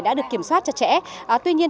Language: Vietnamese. đã được kiểm soát chặt chẽ tuy nhiên